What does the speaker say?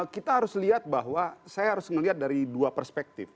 kita harus lihat bahwa saya harus melihat dari dua perspektif